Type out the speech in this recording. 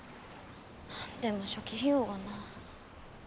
でも初期費用がな。